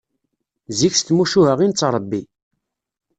Zik s tmucuha i nettrebbi.